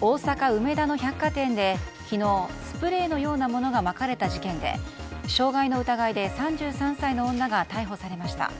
大阪・梅田の百貨店で昨日、スプレーのようなものがまかれた事件で傷害の疑いで３３歳の女が逮捕されました。